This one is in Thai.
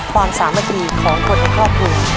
ความสามารถมีของคนในครอบครัว